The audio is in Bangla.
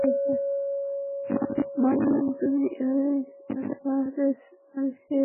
মানলাম তুমি এভারেজ আর সে অসাধারণ!